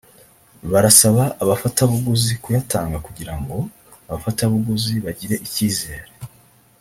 barasaba abafatabuguzi kuyatanga kugira ngo abafatabuguzi bagire icyizere